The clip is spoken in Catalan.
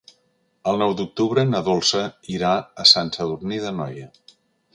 El nou d'octubre na Dolça irà a Sant Sadurní d'Anoia.